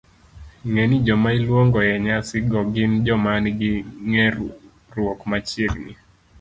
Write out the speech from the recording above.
Ng'e ni joma iluongo e nyasi go gin joma nigi ng'eruok machiegni